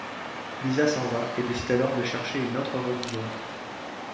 Lisa s'en va et décide alors de chercher une autre religion.